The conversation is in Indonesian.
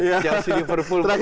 jangan sikap berpulang